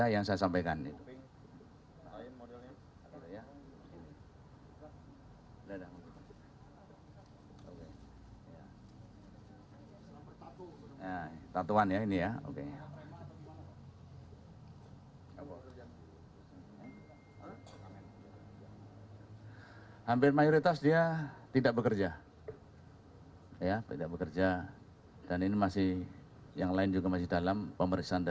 yang keras yang keras